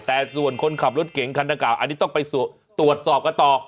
แต่ส่วนคนขับรถเก่งคันหน้าเก่าอันนี้ต้องไปตรวจสอบกันต่อ